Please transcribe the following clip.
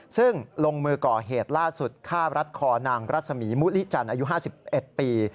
ซึ่งลงมือก่อเหตุล่าสุดฆ่ารัดคอนางรัศมีมุลิจันทร์อายุ๕๑ปี